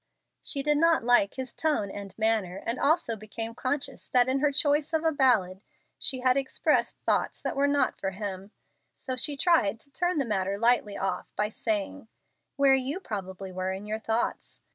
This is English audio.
She did not like his tone and manner, and also became conscious that in her choice of a ballad she had expressed thoughts that were not for him; so she tried to turn the matter lightly off by saying, "Where you probably were in your thoughts.